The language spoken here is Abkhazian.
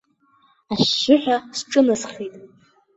Ашьшьыҳәа сҿынасхеит.